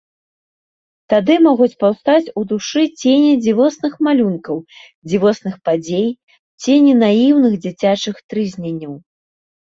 Тады могуць паўстаць у душы цені дзівосных малюнкаў, дзівосных падзей, цені наіўных дзіцячых трызненняў.